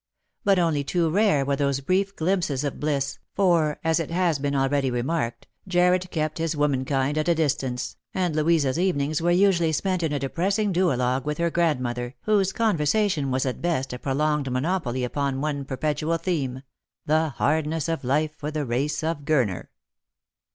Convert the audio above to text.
But only too rare were those brief glimpses of bliss, for, as it has been already remarked, Jarred kept his womankind at a distance, and Louisa's evenings were usually spent in a depressing duologue with her grandmother, whose conversation was at best a prolonged monody upon one per petual theme — the hardness of life for the race of Gurner.